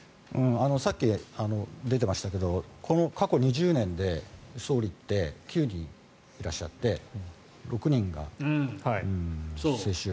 さっき出てましたけど過去２０年で総理って９人いらっしゃって６人が世襲。